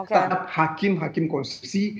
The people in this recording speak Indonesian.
terhadap hakim hakim konstitusi